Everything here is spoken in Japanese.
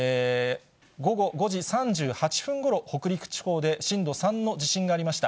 午後５時３８分ごろ、北陸地方で震度３の地震がありました。